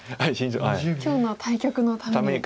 今日の対局のために。